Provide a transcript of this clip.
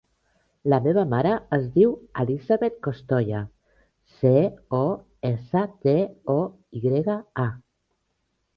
La meva mare es diu Elisabeth Costoya: ce, o, essa, te, o, i grega, a.